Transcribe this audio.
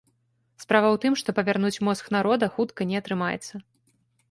Справа ў тым, што павярнуць мозг народа хутка не атрымаецца.